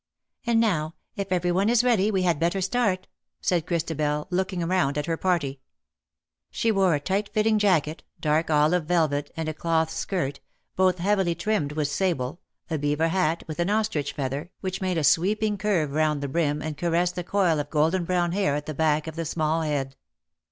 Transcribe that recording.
'''" And now, if every one is ready, we had better start/' said Christabel, looking round at her party. She wore a tight fitting jacket, dark olive velvet, and a cloth skirt, both heavily trimmed with sable, a beaver hat, with an ostrich feather, which made a 203 sweeping curve round the brim, and caressed the coil of golden brown hair at the back of the small head.